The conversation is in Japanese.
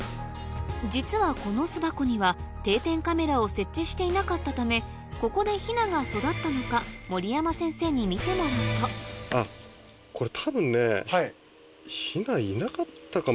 実はこの巣箱には定点カメラを設置していなかったためここでヒナが育ったのか守山先生に見てもらうとやっぱりこれ。